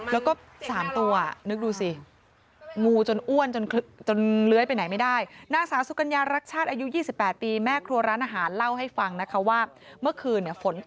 แล้วก็๓ตัวนึกดูสิ